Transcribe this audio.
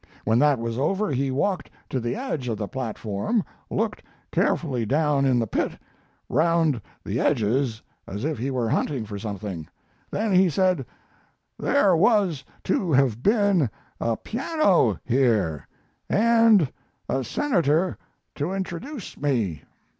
When that was over he walked to the edge of the platform, looked carefully down in the pit, round the edges as if he were hunting for something. Then he said: 'There was to have been a piano here, and a senator to introduce me.